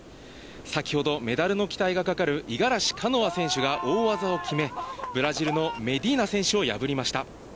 先ほどメダルの期待がかかる五十嵐カノア選手が大技を決め、ブラジルのメディーナ選手を破りました。